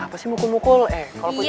ya pasti mukul mukul eh kalo punya